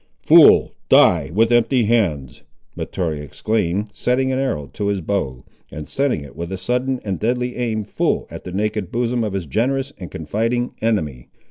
"Fool; die, with empty hands!" Mahtoree exclaimed, setting an arrow to his bow, and sending it, with a sudden and deadly aim, full at the naked bosom of his generous and confiding enemy.